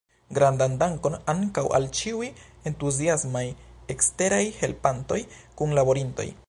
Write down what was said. Grandan dankon ankaŭ al ĉiuj entuziasmaj eksteraj helpantoj, kunlaborintoj!